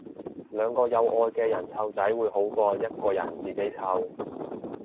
兩個有愛嘅人湊仔會好過一個人自己湊